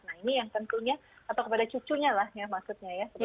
nah ini yang tentunya atau kepada cucunya lah ya maksudnya ya